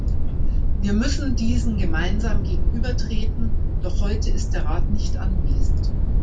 Wir müssen diesen gemeinsam gegenübertreten, doch heute ist der Rat nicht anwesend.